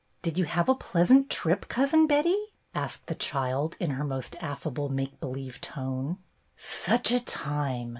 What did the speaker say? "Did you have a pleasant trip. Cousin Betty?" asked the child, in her most affable make believe tone. "Such a time!"